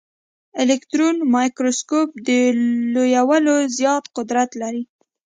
الکټرون مایکروسکوپ د لویولو زیات قدرت لري.